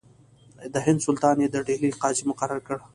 د هند سلطان یې د ډهلي قاضي مقرر کړ.